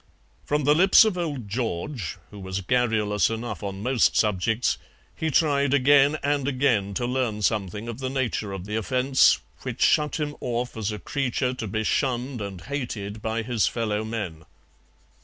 From the lips of old George, who was garrulous enough on most subjects, he tried again and again to learn something of the nature of the offence which shut him off as a creature to be shunned and hated by his fellow men.